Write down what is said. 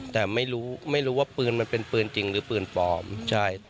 แต่ไม่รู้ไม่รู้ว่าปืนมันเป็นปืนจริงหรือปืนปลอมใช่